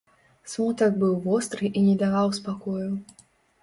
Смутак быў востры і не даваў спакою.